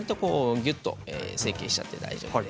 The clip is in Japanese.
ぎゅっと成形して大丈夫です。